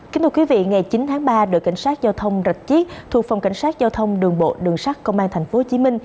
kính mời quý vị ngày chín tháng ba đội cảnh sát giao thông rạch chiếc thuộc phòng cảnh sát giao thông đường bộ đường sát công an tp hcm